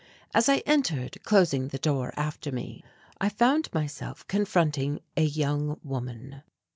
As I entered, closing the door after me, I found myself confronting a young woman.